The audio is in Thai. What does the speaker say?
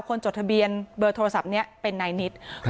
คนจดทะเบียนเบอร์โทรศัพท์เนี้ยเป็นในนิตรครับ